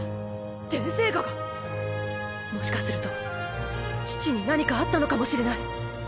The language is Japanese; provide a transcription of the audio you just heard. もしかすると父に何かあったのかもしれない。